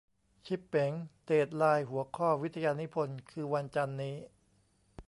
ชิปเป๋ง เดดไลน์หัวข้อวิทยานิพนธ์คือวันจันทร์นี้ !